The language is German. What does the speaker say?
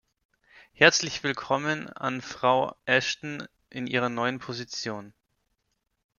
Herzlich willkommen an Frau Ashton in ihrer neuen Position.